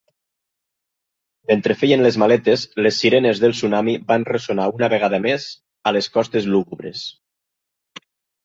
Mentre feien les maletes, les sirenes del tsunami van ressonar una vegada més a les costes lúgubres.